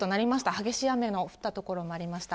激しい雨の降った所もありました。